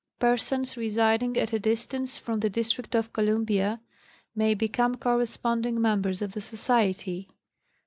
Persons residing at a distance from the District of Columbia may become corresponding members of the Society.